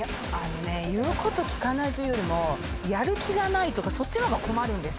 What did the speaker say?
言うこと聞かないよりやる気がないとかそっちの方が困るんですよ。